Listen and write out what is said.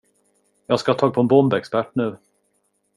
Jag ska ha tag på en bombexpert nu!